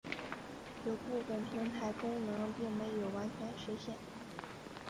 有部分平台功能并没有完全实现。